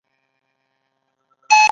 په خپله ځمکه.